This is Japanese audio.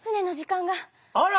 あら！